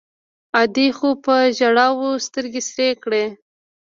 ادې خو په ژړاوو سترګې سرې کړې.